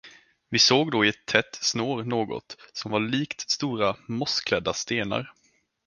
Vi såg då i ett tätt snår något, som var likt stora, mossklädda stenar.